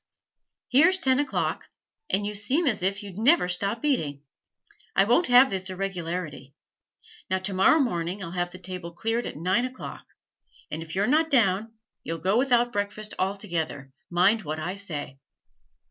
Here's ten o'clock, and you seem as if you'd never stop eating. I won't have this irregularity. Now tomorrow morning I'll have the table cleared at nine o'clock, and if you're not down you'll go without breakfast altogether, mind what I say.'